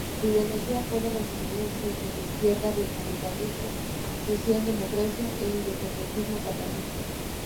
Su ideología puede resumirse en: izquierda, republicanismo, socialdemocracia e independentismo catalán.